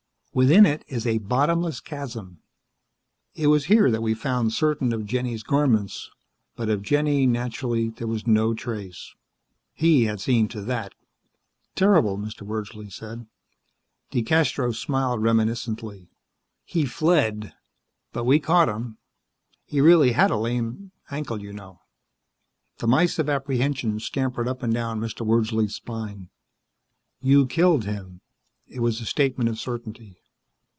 Within it is a bottomless chasm. It was here that we found certain of Jenny's garments, but of Jenny, naturally, there was no trace. He had seen to that." "Terrible," Mr. Wordsley said. DeCastros smiled reminiscently. "He fled, but we caught him. He really had a lame ankle, you know." The mice of apprehension scampered up and down Mr. Wordsley's spine. "You killed him." It was a statement of certainty.